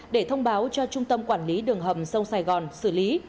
để thông báo cho trung tâm quản lý đường hầm sông sài gòn xử lý